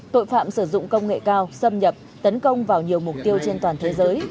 tội phạm sử dụng công nghệ cao xâm nhập tấn công vào nhiều mục tiêu trên toàn thế giới